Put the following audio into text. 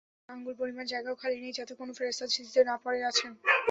আকাশে চার আঙ্গুল পরিমাণ জায়গাও খালি নেই যাতে কোন ফেরেশতা সিজদায় না পড়ে আছেন।